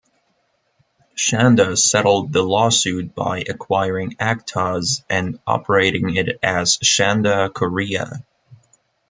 Shanda settled the lawsuit by acquiring Actoz and operating it as Shanda Korea.